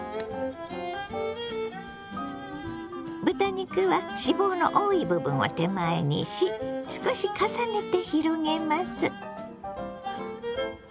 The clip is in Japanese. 豚肉は脂肪の多い部分を手前にし少し重ねて広げます。